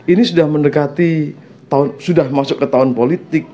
ini sudah mendekati sudah masuk ke tahun politik